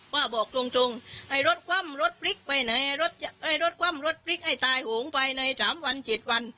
ป้าบอกตรงให้รถคว่ำรถปลิ๊กให้ตายห่วงไปใน๓วัน๗วัน